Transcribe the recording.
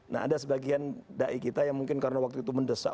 nah ada sebagian dai kita yang mungkin karena waktu itu mendesak